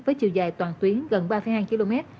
với chiều dài toàn tuyến gần ba hai km